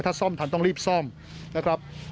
ถ้าซ่อมทันต้องรีบซ่อมนะครับ